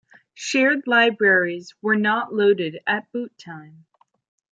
Shared libraries were not loaded at boot time.